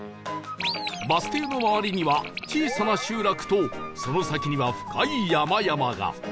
バス停の周りには小さな集落とその先には深い山々が